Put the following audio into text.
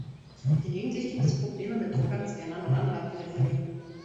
Gelegentlich gibt es Probleme mit Druckern, Scannern und anderer Peripherie.